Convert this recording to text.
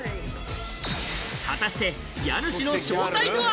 果たして家主の正体とは？